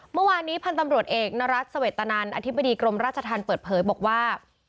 เมื่อวานนี้พันธ์ตำรวจเอกนรัฐเสวตนันอธิบดีกรมราชธรรมเปิดเผยบอกว่า